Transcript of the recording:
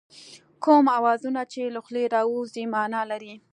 کوم اوازونه چې له خولې راوځي مانا لري